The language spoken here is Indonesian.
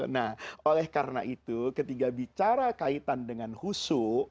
nah oleh karena itu ketika bicara kaitan dengan husu